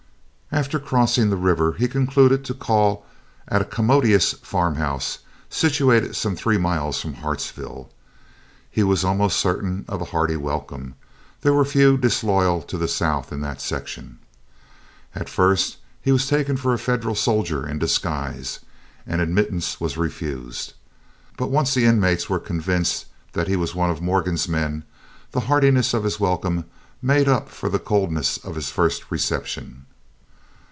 After crossing the river he concluded to call at a commodious farm house, situated some three miles from Hartsville. He was almost certain of a hearty welcome; there were few disloyal to the South in that section. At first he was taken for a Federal soldier in disguise, and admittance was refused; but once the inmates were convinced that he was one of Morgan's men, the heartiness of his welcome made up for the coldness of his first reception.